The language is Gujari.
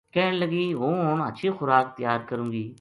کہن لگی ہوں ہن ہچھی خوراک تیار کروں گی